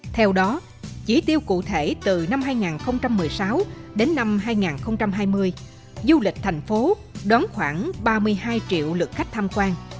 theo đó chỉ tiêu cụ thể từ năm hai nghìn một mươi sáu đến năm hai nghìn hai mươi du lịch thành phố đón khoảng ba mươi hai triệu lượt khách tham quan